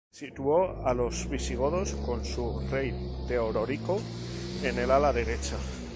Situó a los visigodos con su rey Teodorico en el ala derecha.